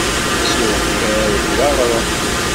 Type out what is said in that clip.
Seksu yeɛrek d aɣrum.